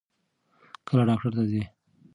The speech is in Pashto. کله ډاکټر ته ځې؟